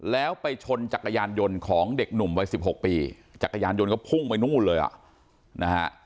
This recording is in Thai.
แล้วไปชนจักรยานยนต์ของเด็กหนุ่มวัย๑๖ปีจักรยานยนต์ก็พุ่งไปนู่นเลยอ่ะนะฮะ